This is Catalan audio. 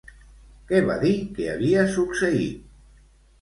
Què va dir que havia succeït?